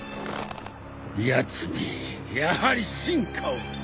やつめやはり進化を。